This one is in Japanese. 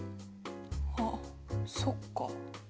あっそっか。